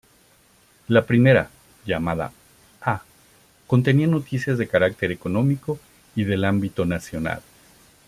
La primera, llamada ‘A’ contenía noticias de carácter económico y del ámbito nacional.